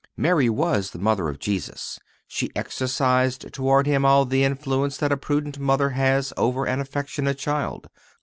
Mary was the Mother of Jesus. She exercised toward Him all the influence that a prudent mother has over an affectionate child.